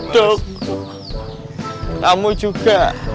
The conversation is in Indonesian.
duk kamu juga